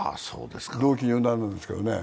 同期入団なんですけどね。